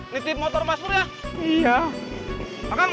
nitip motor masuk ya